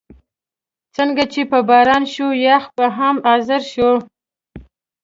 څنګه چې به باران شو، یخ به هم حاضر شو.